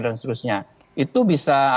itu bisa mempengaruhi publik saya kira